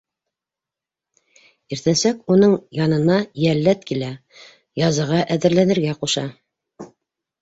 Иртәнсәк уның янына йәлләт килә, язаға әҙерләнергә ҡуша.